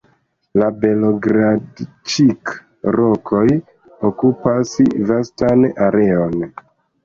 La Belogradĉik-rokoj okupas vastan areon.